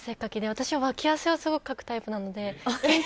私は脇汗をすごくかくタイプなので。